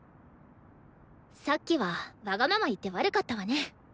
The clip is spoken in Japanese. さっきはわがまま言って悪かったわね。